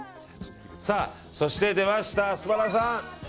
そして出ました、アスパラさん。